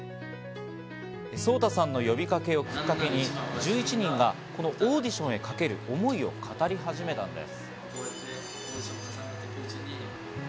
ソウタさんの呼びかけをきっかけに１１人がこのオーディションにかける思いを語り始めたんです。